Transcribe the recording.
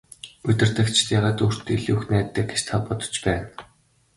Удирдагчид яагаад өөртөө илүү их найддаг гэж та бодож байна?